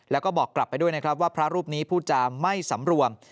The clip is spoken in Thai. แล้วก็บอกกลับไปด้วยนะครับว่าพระรูปนี้พูดจาไม่สำรวม